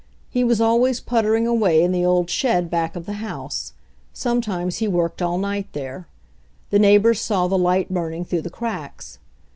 He was always puttering away in the old shed back of the house. Some times he worked all night there. The neighbors saw the light burning through the cracks.